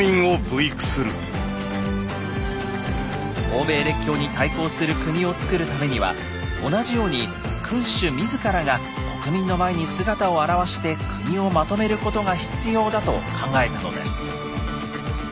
欧米列強に対抗する国をつくるためには同じように君主自らが国民の前に姿を現して国をまとめることが必要だと考えたのです。